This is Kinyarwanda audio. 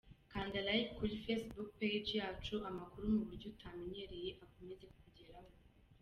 Kanda like kuri facebook page yacu amakuru muburyo utamenyere akomeze kukugeraho.